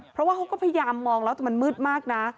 เพราะว่าเขาก็พยายามมองแล้วแต่มันมืดมากนะ